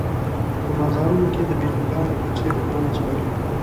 په بازارونو کې د بېزوګانو په څېر ونڅولې.